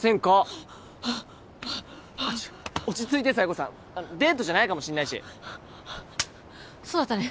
はあはあはあはあ落ち着いて佐弥子さんデートじゃないかもしんないしそうだったね